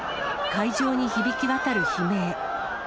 会場に響き渡る悲鳴。